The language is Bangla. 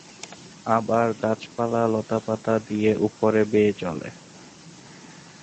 আবার গাছপালা লতাপাতা দিয়ে উপরে বেয়ে চলে।